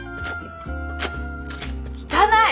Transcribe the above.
汚い！